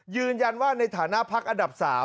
ยืนยันว่าในฐานะพักอันดับ๓